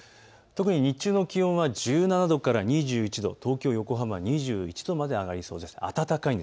特に日中の気温は１７度から２１度、東京、横浜２１度まで上がりそうです。